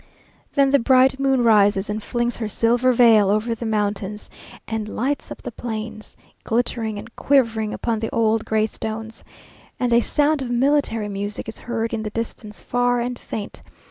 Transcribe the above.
Then the bright moon rises and flings her silver veil over the mountains, and lights up the plains, glittering and quivering upon the old gray stones, and a sound of military music is heard in the distance far and faint.